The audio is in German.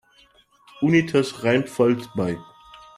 Unitas Rheinpfalz bei.